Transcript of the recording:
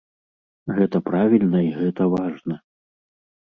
Гэта правільна і гэта важна.